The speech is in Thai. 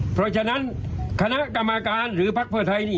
เพราะฉะนั้นคณะกรรมการหรือภักดิ์เพื่อไทยนี่